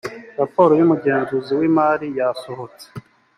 raporo y umugenzuzi wimari yasohotse.